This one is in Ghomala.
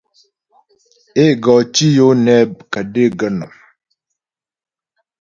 É go tǐ yo nɛ kə̀dé gə̀nɔ́m.